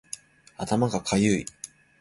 頭がかゆい